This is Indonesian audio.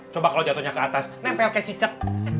coba kalau jatuhnya ke atas netel kayak cicet